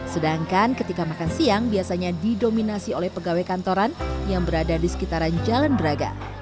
sedangkan ketika makan siang biasanya didominasi oleh pegawai kantoran yang berada di sekitaran jalan braga